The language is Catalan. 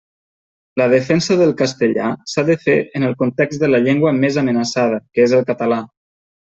La defensa del castellà s'ha de fer en el context de la llengua més amenaçada, que és el català.